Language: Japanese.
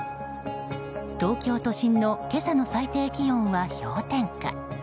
東京都心の今朝の最低気温は氷点下。